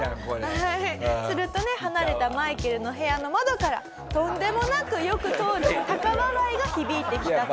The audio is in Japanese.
するとね離れたマイケルの部屋の窓からとんでもなくよく通る高笑いが響いてきたと。